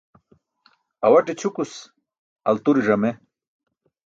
Awate ćʰukus alture ẓame.